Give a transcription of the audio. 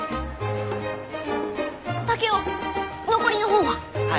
竹雄残りの本は？